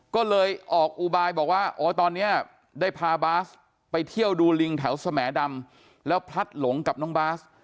ก็เลยออกอุบายบอกว่าอ๋อตอนนี้ได้พาบาสไปเที่ยวดูลิงแถวสแหมดำแล้วพลัดหลงกับน้องบาส